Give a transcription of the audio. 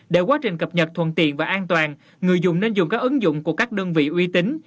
để quá trình cập nhật thuận tiện và an toàn người dùng nên dùng các ứng dụng của các đơn vị uy tín